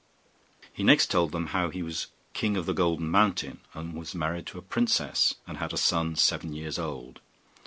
He next told them how he was king of the Golden Mountain, and was married to a princess, and had a son seven years old.